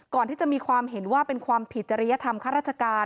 ก่อนที่จะมีความเห็นว่าเป็นความผิดจริยธรรมข้าราชการ